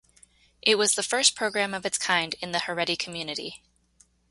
It was the first program of its kind in the haredi community.